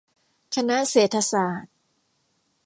คณะเศรษฐศาสตร์